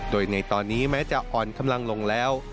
โดยในตอนนี้แม้จะอ่อนกำลังลงแล้ว